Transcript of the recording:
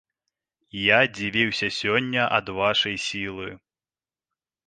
Я здзівіўся сёння ад вашай сілы.